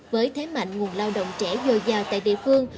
với thế mạnh nguồn lao động trẻ dồi dào tại địa phương